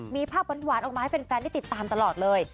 มีภาพหวานออกมาให้แฟนได้ติดตามตลอดเลย